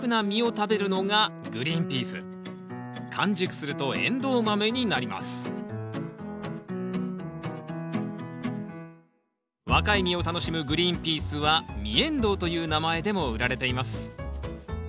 完熟するとエンドウ豆になります若い実を楽しむグリーンピースは実エンドウという名前でも売られています。